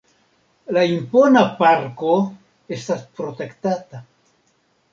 La impona parko estas protektata.